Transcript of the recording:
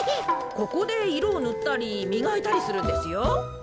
ここでいろをぬったりみがいたりするんですよ。